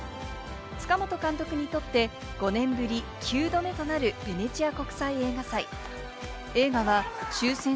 塚本監督にとって５年ぶり９度目となる、ベネチア国際映画祭。